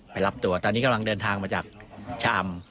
รับตัวตอนนี้กำลังเดินทางมาจากชาม